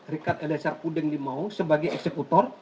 rikat elezer pudeng limau sebagai eksekutor